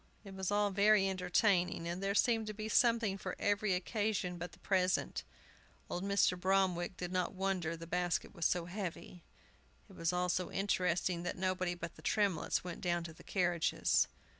It was all very entertaining, and there seemed to be something for every occasion but the present. Old Mr. Bromwick did not wonder the basket was so heavy. It was all so interesting that nobody but the Tremletts went down to the carriages.